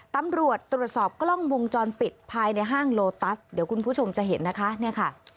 ตำรวจตรวจสอบกล้องวงจรปิดภายในห้างโลตัสเดี๋ยวคุณผู้ชมจะเห็นนะคะเนี่ยค่ะ